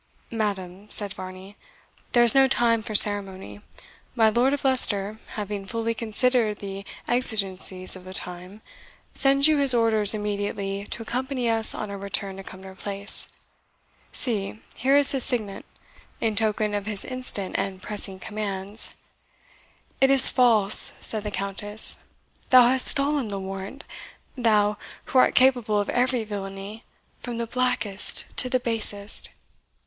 "Madam," said Varney, "there is no time for ceremony. My Lord of Leicester, having fully considered the exigencies of the time, sends you his orders immediately to accompany us on our return to Cumnor Place. See, here is his signet, in token of his instant and pressing commands." "It is false!" said the Countess; "thou hast stolen the warrant thou, who art capable of every villainy, from the blackest to the basest!"